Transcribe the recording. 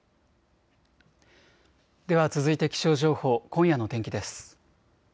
では続いて気象情報、今夜の天気です。